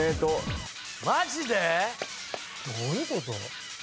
マジで⁉どういうこと？